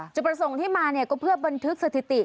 จุดประสงค์ที่มาเนี่ยก็เพื่อบันทึกสถิติ